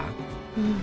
うん。